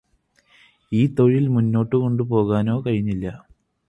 ഈ തൊഴില് മുന്നോട്ട് കൊണ്ടു പോകാനോ കഴിഞ്ഞില്ല